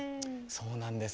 そうなんです。